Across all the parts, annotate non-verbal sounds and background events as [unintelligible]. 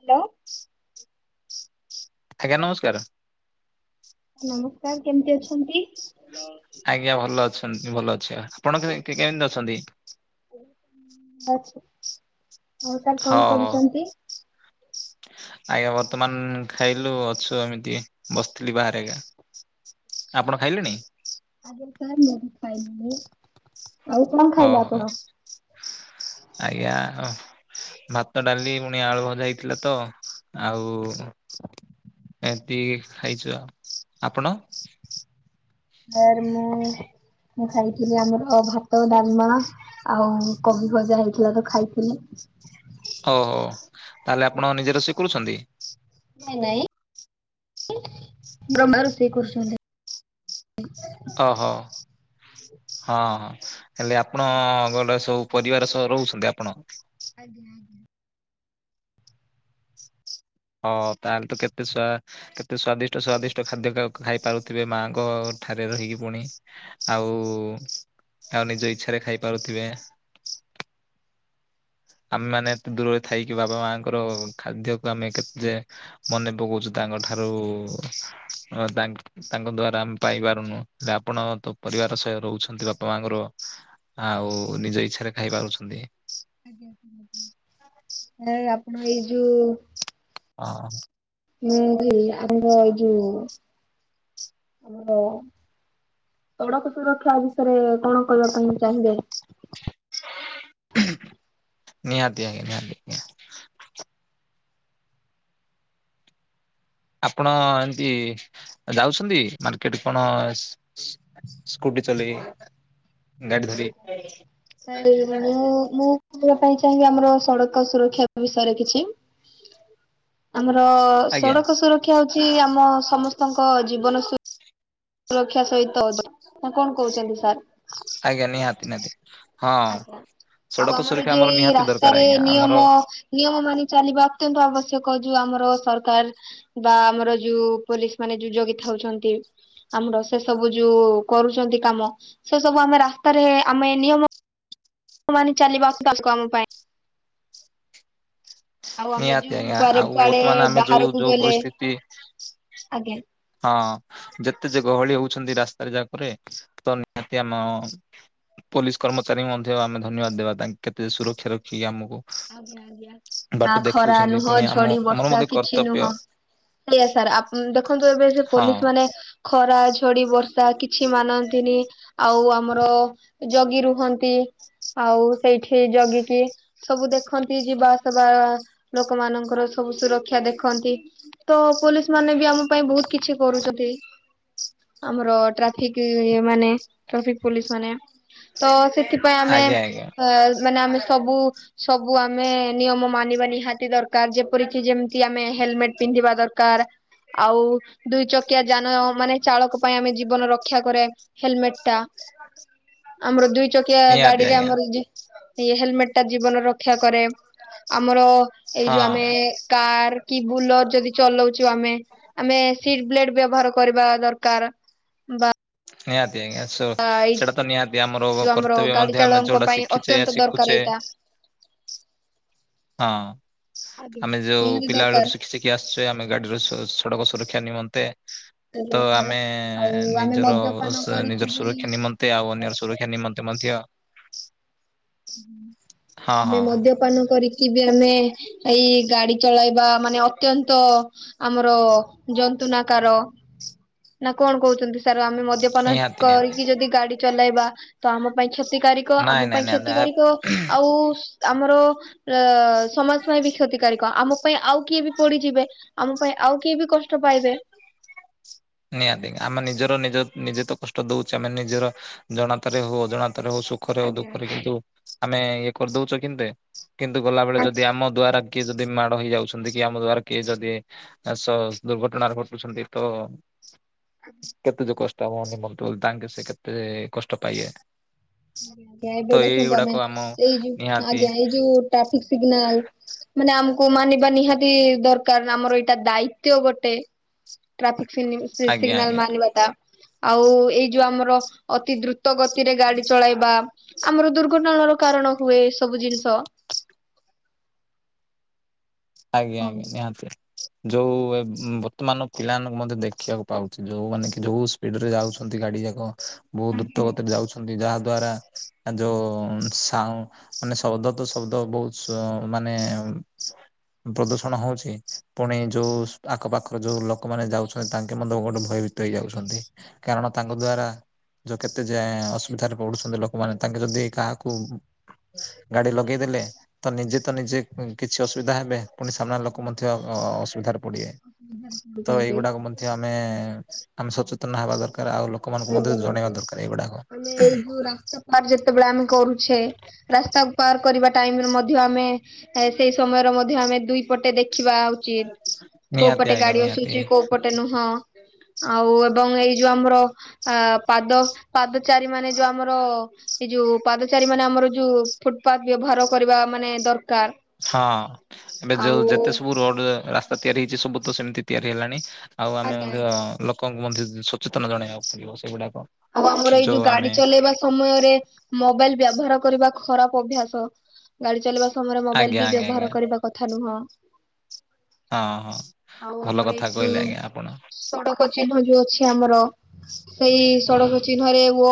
Hello. ଆଜ୍ଞା ନମସ୍କାର। ନମସ୍କାର କେମ୍ ତି ଅଛନ୍ତି? ଆଜ୍ଞା ଭଲ ଅଛନ୍ତି ଭଲ ଅଛି ଆପଣ କେ କେମ୍ ତି ଅଛନ୍ତି? ଆଛା ହଉ ସାର୍ ହଁ କଣ ହଁ କରୁଚନ୍ତି? ଆଜ୍ଞା ବର୍ତ୍ତମାନ୍ ଖାଇଲୁ ଅଛୁ ଏମିତି ବସିଥିଲି ବାହାରେ ଆଜ୍ଞା। ଆପଣ ଖାଇଲେଣି? ଆ ସାର୍ ମ ଫାଇି [inaudible] ଓହୋ ଆଜ୍ଞା ଓଃ। ଭାତ ଡାଲି ଉଣି ଆଳୁ ଭଜା ହେଇଥିଲା ତ ଆଉ ଏମ୍ ତି ଖାଇଚୁ ଆଉ ଆପଣ? ସାର୍ ମୁଁ ମୁଁ ଖାଇଥିଲି ଆମର ଭାତ ଡାଲ୍ ମା ଆଉ କୋବି ଭଜା ହେଇଥିଲା ତ ଖାଇଥିଲି। ଓ ହୋ ତାହେଲେ ଆପଣ ନିଜେ ରୋଷେଇ କରୁଚନ୍ତି? ନାଇଁ ନାଇଁ [inaudible] ବ୍ରହ୍ମା ରୋଷେଇ କରୁଚନ୍ତି। ଅହ। ହଁ ହେଲେ ଆପଣ ଗୋଟେ ସବୁ ପରିବାର ସ ରହୁଚନ୍ତି ଆପଣ? ଆଜ୍ଞା ଆଜ୍ଞା। ହଁ ତାହେଲେ ତ କେତେ ସ୍ୱା କେତେ ସ୍ଵାଦିଷ୍ଟ ସ୍ଵାଦିଷ୍ଟ ଖାଦ୍ୟ ଖା ଖାଇ ପାରୁଥିବେ ମାଙ୍କ ଠାରେ ରହିକି ପୁଣି ଆଉ ଆଉ ନିଜ ଇଛାରେ ଖାଇପାରୁଥିବେ। ଆମେ ମାନେ ଆଜ୍ଞା ଏତେ ଦୂରରେ ଥାଇକି ବାବା ମାଙ୍କର ଖାଦ୍ୟକୁ ଆମେ କେତେ ମନେ ପକଉଚୁ ତାଙ୍କ ଠାରୁ ତା ତାଙ୍କ ଦ୍ଵାରା ଆମେ ପାଇପାରୁନୁ ହେଲେ ଆପଣତ ପରିବାର ସହ ରହୁଛନ୍ତି ବାପା ମାଙ୍କର ଆଉ ନିଜ ଇଚ୍ଛାରେ ଖାଇ ପାରୁଛନ୍ତି। ଆଜ୍ଞା ଆଁ ଆପଣ ଏଇ ଯୋଉ ହଁ। ମୁଁ ଖାଲି ଆମର ଏଇ ଯୋଉ ଆମର ସଡ଼କ ସୁରକ୍ଷା ବିଷୟରେ କଣ କଇଁବା ପାଇଁ ଚାହିଁବେ? ନିହାତି ଆଜ୍ଞା ନିହାତି ନିହାତି। ଆପଣ ଏମିତି ଯାଉଛନ୍ତି ମାର୍କେଟ କଣ ସ୍କୁଟି ଚଲେଇ ଗାଡି ଧରି ଆଜ୍ଞା ମୁଁ ମୁଁ ଆଜ୍ଞା ମୋପାଇଁ କେମିତି ଆମର ସଡ଼କ ସୁରକ୍ଷା ବିଷୟରେ କିଛି ଆମର ସଡ଼କ ସୁରକ୍ଷା ହଉଚି ଆମ ସମସ୍ତଙ୍କ ଜୀବନ ସୁରକ୍ଷା ସହିତ [unintelligible] ନାକଣ କହୁଚନ୍ତି ସାର୍? ଆଜ୍ଞା ନିହାତି ନିହାତି। ହଁ। ଆଜ୍ଞା ଆଉ ସଡ଼କ ଆମର ସୁରକ୍ଷା ଯୋଉ ଏଇ ନିହାତି ଦରକାର ରାସ୍ତାରେ ଆଜ୍ଞା ଆମର ନିୟମ ନିୟମ ମାନି ଚାଲିବା ଅତ୍ୟନ୍ତ ଆବଶ୍ୟକ ଯୋଉ ଆମର ସରକାର୍ ବା ଆମର ଯୋଉ ପୋଲିସ ମାନେ ଯୋଉ ଜଗିଥାଉଚନ୍ତି। ଆମର ସେସବୁ ଯୋଉ କରୁଚନ୍ତି କାମ ସେସବୁ ଆମେ ରାସ୍ତାରେ ଆମେ ନିୟମ ମାନି ଚାଲିବା ଅତ୍ୟନ୍ତ ଆବଶ୍ୟକ ଆମ ପାଇଁ ଆଉ ଆମେ ନିହାତି ଯୋଉ ଆଜ୍ଞା କୁଆଡେ ଆଉ କୁଆଡେ ବର୍ତ୍ତମାନେ ଆମେ ଯୋଉ ବାହାରକୁ ଯୋଉ ଗଲେ ପରିସ୍ଥିତି ଆଜ୍ଞା। ହଁ ଯେତେଯେ ଗହଳି ହଉଛନ୍ତି ରାସ୍ତାରେ ଯାକରେ ତ ନିହାତି ଆମ ପୋଲିସ କର୍ମଚାରୀଙ୍କୁ ମଧ୍ୟ ଆମେ ଧନ୍ୟବାଦ ଦେବା ତାଙ୍କେ କେତେ ସୁରକ୍ଷା ରଖିକି ଆମକୁ ଆଜ୍ଞା ଆଜ୍ଞା ବାଟ ନା ଖରା ଦେଖଉଛନ୍ତି ନୁହଁ ପୁଣି ଆମ ଝଡ଼ି ଆମର ବର୍ଷା ମଧ୍ୟ କିଛି କର୍ତ୍ତବ୍ୟ ନୁହଁ ଏରିଆ ସାରା ଅପ୍ ଦେଖନ୍ତୁ ଏବେ ଯୋଉ ହଁ ପୋଲିସ୍ ମାନେ ଖରା ଝଡ଼ି ବର୍ଷା କିଛି ମାନନ୍ତିନି ଆଉ ଆମର ଜଗି ରୁହନ୍ତି ଆଉ ସେଇଠି ଜଗିକି ସବୁ ଦେଖନ୍ତି ଯିବା ଆସବା ଲୋକ ମାନଙ୍କର ସବୁ ସୁରକ୍ଷା ଦେଖନ୍ତି। ତ ପୋଲିସ ମାନେବି ଆମ ପାଇଁ ବହୁତ୍ କିଛି କରୁଚନ୍ତି। ଆମର ଟ୍ରାଫିକ ମାନେ ଟ୍ରାଫିକ୍ ପୋଲିସ୍ ମାନେ ତ ସେଥିପାଇଁ ଆମେ ଆଜ୍ଞା ଆଜ୍ଞା ଅ ମାନେ ଆମେ ସବୁ ସବୁ ଆମେ ନିୟମ ମାନିବା ନିହାତି ଦରକାର ଯେପରିକି ଯେମିତି ଆମେ ହେଲମେଟ୍ ପିନ୍ଧିବା ଦରକାର ଆଉ ଦୁଇ ଚକିଆ ଯାନ ମାନେ ଚାଳକ ପାଇଁ ଆମେ ଜୀବନ ରକ୍ଷା କରେ ହେଲମେଟଟା ଆମର ଦୁଇ ଚକିଆ ନିହାତି ଗାଡ଼ିରେ ଆଜ୍ଞା ଆମର ଇଏ ହେଲମେଟଟା ଜୀବନ ରକ୍ଷା କରେ ଆମର ଏଇ ହଁ ଯୋଉ ଆମେ କାର କି ବୁଲର ଯଦି ଚଲଉଚୁ ଆମେ ଆମେ ସିଟ୍ ବ୍ଲେଟ୍ ବ୍ୟବହାର କରିବା ଦରକାର ବା ନିହାତି ଆଜ୍ଞା ସ ଏଇ ସେଇଟା ତ ନିହାତି ଆମର ଯୋଉ କର୍ତ୍ତବ୍ୟ ଗାଡି ମଧ୍ୟ ଆମେ ଚାଳକଙ୍କ ଯୋଉଟା ପାଇଁ ଶିଖିଛେ ଅତ୍ୟନ୍ତ ଦରକାର ଶିଖୁଛେ ଏଇଟା। ହଁ ଆଜ୍ଞା। ଆମେ ଯୋଉ ନିହାତି ପିଲା ଦରକାର ବେଳରୁ ଶିକିଚେ ଦେଖି ଆସଚେ ଆମେ ଗାଡ଼ିରୁ ସଡ଼କ ସୁରକ୍ଷା ନିମନ୍ତେ ତ ଆମେ ଆଉ ଆମେ ନିଜର ମଦ୍ୟପାନ ସ କରିକି ନିଜର ବି ସୁରକ୍ଷା ନିମନ୍ତେ ଆଉ ଅନ୍ୟର ସୁରକ୍ଷା ନିମନ୍ତେ ମଧ୍ୟ ହଁ ଆମେ ହଁ ହଁ, ମଧ୍ୟ ପାନ କରିକି ବି ଆମେ ଏଇ ଗାଡି ଚଳେଇବା ମାନେ ଅତ୍ୟନ୍ତ ଆମର ଜନ୍ତୁନାକାର ନା କଣ କହୁଛନ୍ତି। ତାର ଆମେ ମଦ୍ୟପାନ ନିହାତି ନିହାତି କରିକି ଯଦି ଗାଡି ଚଲେଇବା ତ ଆମ ପାଇଁ କ୍ଷତିକାରକ ଆମ ନାଇଁ ନାଇଁ ପାଇଁ କ୍ଷ ନିହାତି ଆ ଆଉ ଆମର ଅ ସମାଜ ପାଇଁ ବି କ୍ଷତିକାରାରକ ଆମ ପାଇଁ ଆଉ କିଏ ବି ପଡିଯିବେ। ଆମ ପାଇଁ ଆଉ କିଏ ବି କଷ୍ଟ ପାଇବେ। ନିହାତି ଆମେ ନିଜର ନିଜ ନିଜେ ତ କଷ୍ଟ ଦଉଛେ ଆମେ ନିଜର ଜଣାତାରେ ହଉ ଅଜଣାତାରେ ହଉ ସ ଦୁଃଖରେ ଆଉ ଆଜ୍ଞା। ଦୁଃଖରେ କିନ୍ତୁ ଆମେ ଇଏ କରିଦଉଛ କେନ୍ତେ କିନ୍ତୁ ଗଲାବେଳେ ଆଜ୍ଞା ଯଦି ଆମ ଦ୍ଵାରା କିଏ ଯଦି ମାଡ ହେଇ ଯାଉଛନ୍ତି କି ଆମ ଦ୍ଵାରା କିଏ ଯଦି ଚାଷ ଦୁର୍ଘଟଣାରେ ଘଟୁଛନ୍ତି ତ କେତେ ଯୋଉ କଷ୍ଟ ହବ ନି ମ ତାଙ୍କେ ସେ କେତେ କଷ୍ଟ ପାଇବେ। ଆଜ୍ଞା ତ ଏବେ ଦେଖନ୍ତୁ ଏଇଗୁଡାକ ଆମେ ଆମ ଏଇ ଯୋଉ ନିହାତି ଆଜ୍ଞା ଏଇ ଯୋଉ ଟ୍ରାଫିକ ସିଗ୍ନାଲ। ମାନେ ଆମକୁ ମାନିବା ନିହାତି ଦରକାର ଆମର ଏଇଟା ଦାୟିତ୍ଵ ଗୋଟେ। ଟ୍ରାଫିକ ସିଗ ଆଜ୍ଞା ସିଗ୍ନାଲ ଆଜ୍ଞା ମାନିବା ଟା ଆଉ ଏଇ ଯୋଉ ଆମର ଅତି ଦ୍ରୁତ ଦ୍ରୁତ ଗତିରେ ଗାଡି ଚଳେଇବା ଆମର ଦୁର୍ଘଟଣା ର କାରଣ ହୁଏ, ଏ ସବୁ ଜିନିଷ। ଆଜ୍ଞା ହଁ ଆଜ୍ଞା ନିହାତି। ଯୋଉ ଏ ବର୍ତ୍ତମାନ ପିଲାମାନଙ୍କୁ ମଧ୍ୟ ଦେଖିବାକୁ ପାଉଛି ଯୋଉ ମାନେ କି ଯୋଉ ସ୍ପିଡରେ ଯାଉଛନ୍ତି ଗାଡି ଯାକ ବହୁତ ଆଜ୍ଞା। ଦ୍ରୁତଗତିରେ ଯାଉଛନ୍ତି ଯାହା ଦ୍ଵାରା ଆ ଯୋଉ ଶାଉ ମାନେ ଶବ୍ଦ ତ ଶବ୍ଦ ବହୁତ ସ ମାନେ ପ୍ରଦୂଷଣ ହଉଛି ପୁଣି ଯୋଉ ଆଖ ପାଖରେ ଯୋଉ ଲୋକମାନେ ଯାଉଛନ୍ତି ତାଙ୍କେ ମଧ୍ୟ ଗୋଟେ ଭୟଭିତ ଭିତ ହେଇ ଯାଉଛନ୍ତି କାରଣ ତାଙ୍କ ଦ୍ଵାରା ଯୋଉ କେତେ ଯେ ଅସୁବିଧାରେ ପଡୁଛନ୍ତି ଲୋକମାନେ ତାଙ୍କେ ଯଦି କାହାକୁ ଗାଡି ଲଗେଇଦେଲେ ତ ନିଜେ ତ ନିଜେ କିଛି ଉଁ ଅସୁବିଧା ହେବେ ପୁଣି ସାମ୍ନା ଲୋକ ମଧ୍ୟ ଅ ଅସୁବିଧାରେ ପଡିବେ ତ ଏଇଗୁଡାକ ମଧ୍ୟ ଯେ ଆମେ ଆମେ ସଚେତନ ହେବା ଦରକାର ଆଉ ଲୋକ ଆଜ୍ଞା ଆଜ୍ଞା ଆମେ ଏଇ ଯୋଉ ରାସ୍ତା ପାର ଯେତେବେଳେ ଆମେ କରୁଛେ ରାସ୍ତା ପାର କରିବା ଟାଇମରେ ମଧ୍ୟ ଆମେ ଏ ସେଇ ସମୟରେ ମଧ୍ୟ ଆମେ ଦୁଇ ପଟେ ଦେଖ ଦେଖିବା ଉଚିତ କୋଉ ନିହାତି ପଟେ ଆଜ୍ଞା ଗାଡି ନିହାତି। ଆସୁଛି କୋଉ ପଟେ ନୁହଁ ଆଉ ଏବଂ ଏଇ ଯୋଉ ଆମର ଆ ପାଦ ପାଦଚାରୀ ମାନେ ଯୋଉ ଆମର ଏଇ ଯୋଉ ପାଦଚାରୀ ମାନେ ଆମର ଯୋଉ ଫୁଟପାଥ ବ୍ୟବହାର କରିବା ମାନେ ଦରକାର୍। ହଁ ଏବେ ଯୋଉ ଯେତେ ସବୁ ରୋଡ ରାସ୍ତା ତିଆରି ହେଇଛି ସବୁ ତ ସେମିତି ତିଆରି ହେଲାଣି। ଆଉ ଆମେ ଆଜ୍ଞା ମଧ୍ୟ ଆଜ୍ଞା ଲୋକଙ୍କୁ ମଧ୍ୟ ସଚେତନ ଜଣେଇବାକୁ ପଡିବ ସେଗୁଡ଼ାକ ଆଉ ଆମର ଏଇ ଯୋଉ ଗାଡି ଚଲେଇବା ସମୟରେ ମୋବାଇଲ ବ୍ୟବହାର କରିବା ଖରାପ ଅଭ୍ୟାସ। ଗାଡି ଚଲେଇବା ସମୟରେ ମୋବାଇଲ ଆଜ୍ଞା ବି ଆଜ୍ଞା ଆଜ୍ଞା ବ୍ୟବହାର କରିବା କଥା ନୁହଁ। ହଁ ହଁ ଆଉ ଭଲ ଆମର ଏଇ କଥା ଯୋଉ କହିଲେ ଆଜ୍ଞା ଆପଣ ସଡ଼କ ସଡ଼କ ଚିହ୍ନ ଯୋଉ ଅଛି ଆମର ସେଇ ସଡ଼କ ଚିହ୍ନରେ ଓ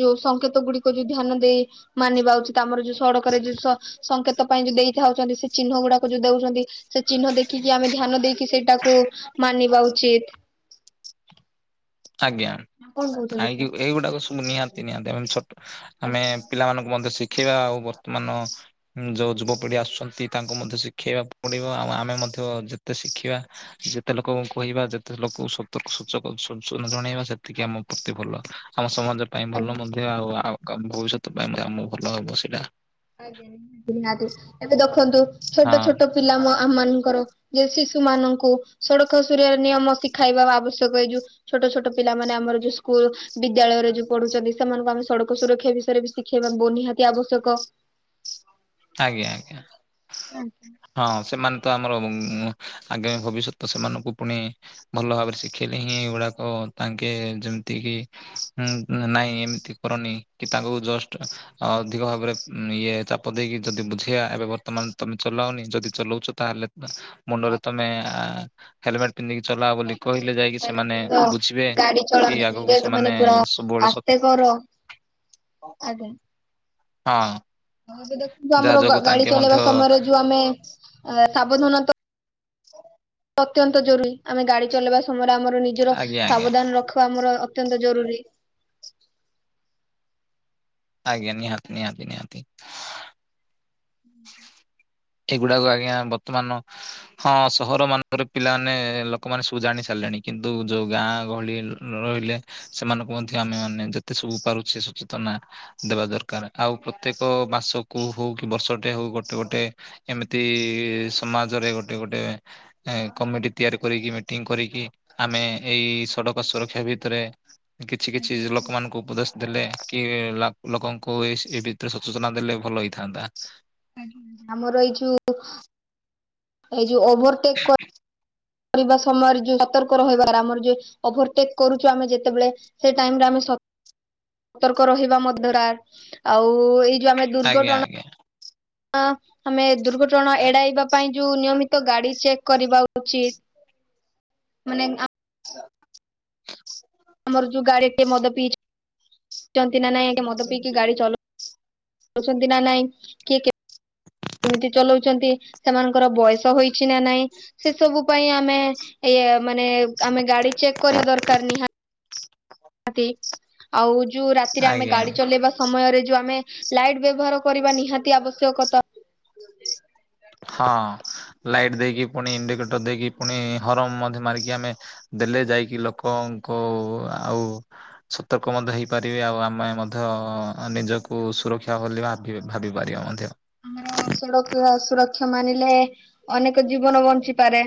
ଯୋଉ ସଂଙ୍କେତ ଗୁଡିକ ଯୋଉ ଧ୍ୟାନ ଦେଇ ମାନିବା ଉଚିତ ଆମର ଯୋଉ ସଡକରେ ଯୋଉ ସ ସଂଙ୍କେତ ପାଇଁ ଯୋଉ ଦେଇଥାଉଛନ୍ତି ସେ ଚିହ୍ନ ଗୁଡାକୁ ଯୋଉ ଦେଉଛନ୍ତି। ସେ ଚିହ୍ନ ଦେଖିକି ଆମେ ଧ୍ୟାନ ଦେଇକି ସେଇଟାକୁ ମାନିବା ଉଚିତ୍। ଆଜ୍ଞା କଣ ଆ କହୁଛନ୍ତି ସାର୍? ଏଇଗୁଡାକ ସବୁ ନିହାତି ନିହାତି ଆମ ଛ ଆମେ ପିଲାମାନଙ୍କୁ ମଧ୍ୟ ଶିଖେଇବା ଆଉ ବର୍ତ୍ତମାନ ଯୋଉ ଯୁବପିଢି ଆସୁଛନ୍ତି ତାଙ୍କୁ ମଧ୍ୟ ଶିଖେଇବାକୁ ପଡିବ, ଆଉ ଆମେ ମଧ୍ୟ ଯେତେ ଶିଖିବା ସେତେ ଲୋକଙ୍କୁ କହିବା ଯେତେ ଲୋକ ସତକ ସୁଚକ [inaudible] ଜଣେଇବା ସେତିକି ଆମ ପ୍ରତି ଭଲ ଆମ ସମାଜ ପାଇଁ ଭଲ। ଆଉ ଆଉ ଆମ ଭବିଷ୍ୟତ ପାଇଁ ଆମ ଭଲ ହବ ସେଟା ଆଜ୍ଞା ନିହାତି। ଏବେ ଦେଖନ୍ତୁ ଛୋଟ ହଁ ଛୋଟ ପିଲା ମୋ ଆମ ମାନଙ୍କର। ଯେ ଶିଶୁ ମାନଙ୍କୁ ସଡକ ସୁରିୟା ନିୟମ ଶିଖାଇବା ଆବଶ୍ୟକ ଏଇ ଯୋଉ ଛୋଟ ଛୋଟ ପିଲାମାନେ ଆମର ଯୋଉ ସ୍କୁଲ ବିଦ୍ୟାଳୟରେ ଯୋଉ ପଢୁଛନ୍ତି, ସେମାନଙ୍କୁ ଆମେ ସଡକ ସୁରକ୍ଷା ବିଷୟରେ ବି ଶିଖେଇବା ବୋ ନିହାତି ଆବଶ୍ୟକ। ଆଜ୍ଞା ଆଜ୍ଞା। ହଁ ସେମାନେ ତ ଆମର ଆଗାମୀ ଭବିଷ୍ୟତ ସେମାନଙ୍କୁ ପୁଣି ଭଲ ଭାବରେ ଶିଖେଇଲେ ହିଁ ଏଗୁଡାକ ତାଙ୍କେ ଯେମିତି କି ହୁଁ ନାଇଁ ଏମିତି କରନି କି ତାଙ୍କୁ ଜଷ୍ଟ ଅଧିକ ଭାବରେ ଇଏ ଚା ଚାପ ଦେଇକି ଯଦି ବୁଝେଇବା ଏବେ ବର୍ତ୍ତମାନ ତମେ ଚଲାଅନି ଯଦି ଚଲଉଛ, ତା ହେଲେ ମୁଣ୍ଡରେ ତମେ ହେଲମେଟ ପିନ୍ଧିକି ଚଲାଅ ବୋଲି କହିଲେ ଯାଇକି ସେମାନେ ତ ବୁଝିବେ ଗାଡି ଚଳାଅ କି ଧୀରେ ଆଗକୁ ମାନେ ସେମାନେ ପୁରା ସବୁବେଳେ ଆସ୍ତେ ଆଜ୍ଞା। ହଁ। ଏବେ ଦେଖନ୍ତୁ ଯାହା ଆମର ଯୋଗୁ ଗା-ଗାଡି ତାଙ୍କେ ମଧ୍ୟ ଚଲେଇବା ସମୟରେ ଯୋଉ ଆମେ ସାବଧାନତା ଅତ୍ୟନ୍ତ ଜରୁରୀ। ଆମେ ଗାଡି ଚଲେଇବା ସମୟରେ ଆମର ନିଜର ଆଜ୍ଞା ଆଜ୍ଞା ସାବଧାନ ରଖିବା ଆମର ଅ ଅତ୍ୟନ୍ତ ଜରୁରୀ। ଆଜ୍ଞା। ନିହାତି। ନିହାତି। ନିହାତି। [inaudible] ଏଗୁଡାକ ଆଜ୍ଞା ବର୍ତ୍ତମାନ ହଁ ସହର ମାନଙ୍କର ପିଲାମାନେ ଲୋକମାନେ ସବୁ ଜାଣି ସାରିଲେଣି କିନ୍ତୁ ଯୋଉ ଗାଁ ଗହଳି ନ ରହିଲେ ସେମାନଙ୍କୁ ମଧ୍ୟ ଆମେ ମାନେ ଯେତେ ସବୁ ପାରୁଛେ ସଚେତନା ଦେବା ଦରକାର। ଆଉ ପ୍ରତ୍ୟେକ ମାସକୁୁ ହଉ କି ବର୍ଷଟେ ହଉ ଗୋଟେ ଗୋଟେ ଏମିତି ସମାଜରେ ଗୋଟେ ଗୋଟେ କମିଟି ତିଆରି କରିକି ମିଟିଂ କରିକି ଆମେ ଏଇ ସଡକ ସୁରକ୍ଷା ଭିତରେ କିଛି କିଛି ଲୋକମାନଙ୍କୁ ଉପଦେଶ ଦେଲେ କି ଲା-ଲୋକଙ୍କୁ ଏ-ଏଇ ଭିତରେ ସଚେତନା ଦେଲେ ଭଲ ହେଇଥାନ୍ତା। ଆମର ଏଇ ଯୋଉ ଏଇ ଯୋଉ ଓଭରଟେକ୍ କ କରିବା ସମୟରେ ଯୋଉ ସତର୍କ ରହିବାର ଆମର ଯେ ଓଭରଟେକ୍ କରୁଛୁ, ଆମେ ଯେତେବେଳେ ସେ ଟାଇମରେ ଆମେ ସ ତର୍କ ରହିବା ମଧ୍ୟ ର ଆଉ ଏଇ ଯୋଉ ଆମେ ଆଜ୍ଞା ଦୁର୍ଘଟଣା ଆଜ୍ଞା। ଆମେ ଦୁର୍ଘଟଣା ଏଡାଇବା ପାଇଁ ଯୋଉ ନିୟମିତ ଗାଡି ଚେକ୍ କରିବା ଉଚିତ୍। [inaudible] ଆମର ଯୋଉ ଗାଡି ଟେ ମଦ ପିଇ ଛନ୍ତି ନା ନାଇଁ ମଦ ପିଇକି ଗାଡି ଚଲଉ ଛନ୍ତି ନା ନାଇଁ। କିଏ କେ କେମିତି ଚଲାଉଛନ୍ତି, ସେମାନଙ୍କର ବୟସ ହୋଇଛି ନା ନାଇଁ? ସେ ସବୁ ପାଇଁ ଆମେ ଏ ମାନେ ଆମେ ଗାଡି ଚେକ୍ କରିବା ଦରକାର ନିହା ଆଉ ଯୋଉ ରାତିରେ ଆମେ ଆଜ୍ଞା ଗାଡି ଚଲେଇବା ସମୟରେ ଯୋଉ ଆମେ ଲାଇଟ୍ ବ୍ୟବହାର କରିବା ନିହାତି ଆବଶ୍ୟକ ତ। ହଁ ଲାଇଟ୍ ଦେଇକି ପୁଣି ଇଣ୍ଡିକେଟର ଦେଇକି ପୁଣି ହରମ ମଧ୍ୟ ମାରିକି ଆମେ ଦେଲେ ଯାଇକି ଲୋକଙ୍କ ଆଉ ସତର୍କ ମଧ୍ୟ ହେଇପାରିବେ ଆଉ ଆମେ ମଧ୍ୟ ନିଜକୁ ସୁରକ୍ଷା କଲିବା ଭାବି ପାରିବା ମଧ୍ୟ ଆମର ସଡ କ ସୁରକ୍ଷା ମାନିଲେ ଅନେକ ଜୀବନ ବଞ୍ଚିପାରେ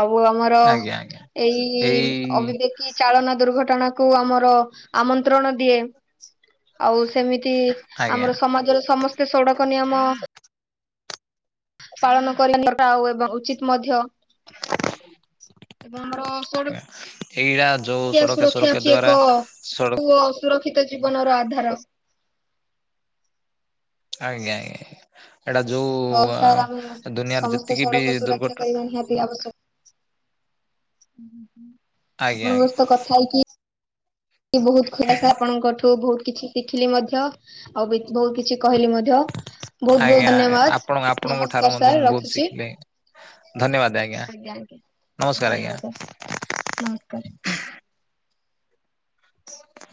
ଆଉ ଆମର ଆଜ୍ଞା ଆଜ୍ଞା ଏଇ ଏଇ ଅବିବେକି ଚାଳନା ଦୁର୍ଘଟଣା କୁ ଆମର ଆମନ୍ତ୍ରଣ ଦିଏ ଆଉ ସେମିତି ଆଜ୍ଞା ଆମର ସମାଜରେ ସମସ୍ତେ ସଡକ ନିୟମ ପାଳନ କରିନେବା ଆଉ ଏବଂ ଉଚିତ ମଧ୍ୟ ଏଵଂ ଆମର ସଡ ଆଜ୍ଞା ଏଇଟା ଯୋଉ କିଆ ସଡ଼କ ସୁରକ୍ଷା ଅଛି ଦ୍ଵାରା ଏକ ସଡ଼କ ପୁଅ ସୁରକ୍ଷିତ ଜୀବନର ଆଧାର ଆଜ୍ଞା ଆଜ୍ଞା ଏଇଟା ହଉ ସାର୍ ଆମେ ଯୋଉ ଦୁନିଆରେ ସମସ୍ତେ ଯେତିକି ବି ସଡ଼କ ସୁରକ୍ଷା ଦୁର୍ଘଟ କରିବା ନିହାତି ଆବଶ୍ୟକ ଆଜ୍ଞା ଆପଣଙ୍କ ଆଜ୍ଞା ସହିତ କଥା ହେଇକି ବହୁତ ଖୁଆସ ଆପଣଙ୍କଠୁ ବହୁତ କିଛି ଶିଖିଲି ମଧ୍ୟ ଆଉ ବହୁତ କିଛି କହିଲି ମ ଧ୍ୟ ବହୁତ ବହୁତ ଆଜ୍ଞା ଆପଣ ଧନ୍ୟବାଦ ଆପଣଙ୍କ ଠାରୁ ନମସ୍କାର ମଧ୍ୟ ସାର୍ ମୁଁ ବହୁତ ରଖୁଛି ଶିଖିଲି ଧନ୍ୟବାଦ ଆଜ୍ଞା ନମସ୍କାର ଧନ୍ୟବାଦ ଆଜ୍ଞା ନମସ୍କାର ହ